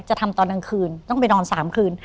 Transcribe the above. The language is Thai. จะทำตอนกลางคืนต้องไปนอน๓คืน